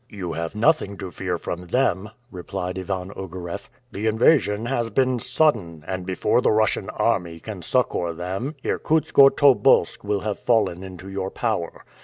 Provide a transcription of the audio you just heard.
"You have nothing to fear from them," replied Ivan Ogareff. "The invasion has been sudden; and before the Russian army can succor them, Irkutsk or Tobolsk will have fallen into your power.